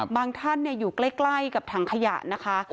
ท่านอยู่ใกล้กับถังขยะนะคะ